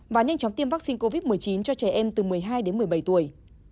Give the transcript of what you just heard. và nhanh chóng tiêm vaccine covid một mươi chín cho trẻ em từ một mươi hai đến một mươi bảy tuổi